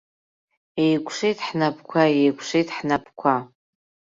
Еикушеит ҳнапқәа, еикәшеит ҳнапқәа.